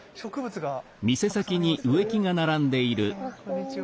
こんにちは。